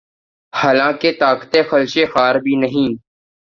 حال آنکہ طاقتِ خلشِ خار بھی نہیں